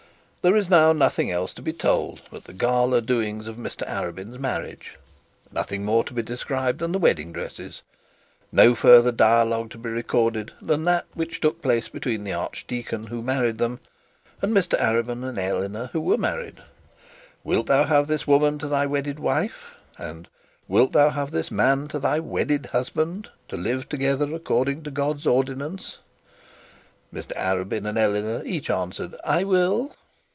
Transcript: There is now nothing else to be told but the gala doings of Mr Arabin's marriage, nothing more to be described than the wedding dresses, no further dialogue to be recorded than that which took place between the archdeacon who married them, and Mr Arabin and Eleanor who were married. 'Wilt thou have this woman to thy wedded wife?' and 'Wilt thou have this man to thy wedded husband, to live together according to God's ordinance?' Mr Arabin and Eleanor each answered, 'I will'.